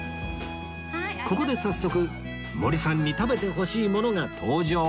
ここで早速森さんに食べてほしいものが登場